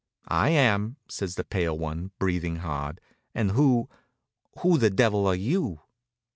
"I am," says the pale one, breathing hard, "and who who the devil are you?"